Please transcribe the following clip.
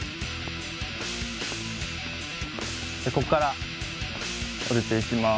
ここから下りていきます。